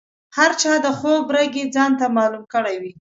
هر چا د خوب رګ یې ځانته معلوم کړی وي.